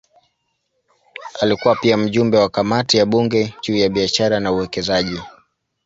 Alikuwa pia mjumbe wa kamati ya bunge juu ya biashara na uwekezaji.